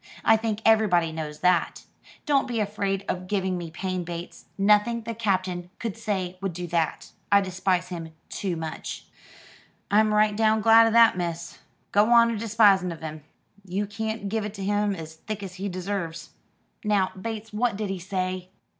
I think everybody knows that. Don't be afraid of giving me pain, Bates. Nothing the Captain could say would do that. I despise him too much." "I'm right down glad 'o that, miss. Go on a despising of him. You can't give it him as thick as he deserves." "Now, Bates, what did he say?"